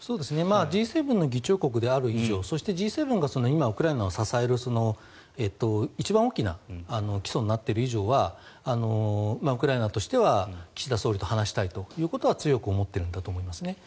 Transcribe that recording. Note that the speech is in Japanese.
Ｇ７の議長国である以上そしてＧ７がウクライナを支える一番大きな基礎になっている以上はウクライナとしては岸田総理と話したいということは強く思っているんだと思いますね。